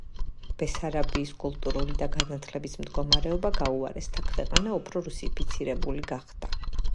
ბესარაბიის კულტურული და განათლების მდგომარეობა გაუარესდა, ქვეყნა უფრო რუსიფიცირებული გახდა.